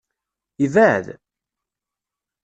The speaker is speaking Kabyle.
Yebɛed?